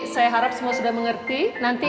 saya harap semua sudah mengerti